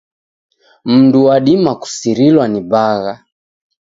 Mndu wadima kusirilwa ni bagha.